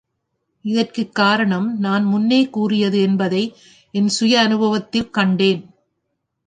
இதற்குக் காரணம், நான் முன்னே கூறியது என்பதை என் சுயானுபவத்தில் கண்டேன்.